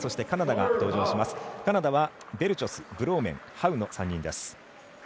カナダはベルチョスブローメン、ハウの３人です。